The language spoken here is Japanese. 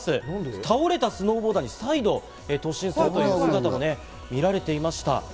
倒れたスノーボーダーに再度、突進するという姿が見られていました。